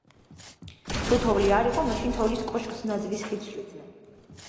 თუ თოვლი არ იყო, მაშინ თოვლის კოშკს ნაძვის ხით ცვლიდნენ.